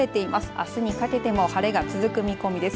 あすにかけても晴れが続く見込みです。